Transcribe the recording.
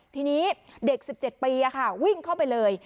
ทีนี้เด็ก๑๗ปีวิ่งเข้าไปเลย